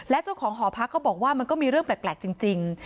และเจ้าของหอพักก็บอกว่ามันก็มีเรื่องแปลกจริง